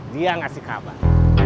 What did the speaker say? dia ngasih kabar